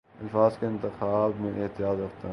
الفاظ کے انتخاب میں احتیاط رکھتا ہوں